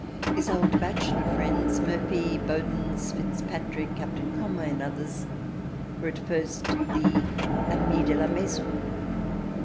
His old Bachelor friends Murphy, Bodens, Fitzpatrick, Captain Conway, and others were at first the Amis de la Maison.